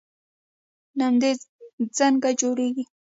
نمدې څنګه جوړیږي؟